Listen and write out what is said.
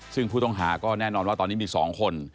ซึ่งผู้ต้องหาก็แน่นอนว่าตอนนี้มี๒คน